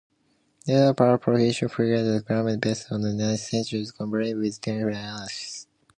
DellaPergola's population figures are primarily based on national censuses combined with trend analysis.